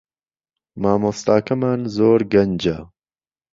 مامۆستاکەمان زۆر گەنجە